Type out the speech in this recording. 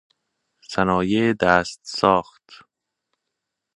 صنایع دست ساخت